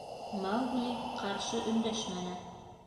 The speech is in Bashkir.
Маугли ҡаршы өндәшмәне.